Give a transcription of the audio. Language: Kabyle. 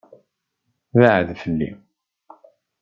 Beɛɛed fell-i.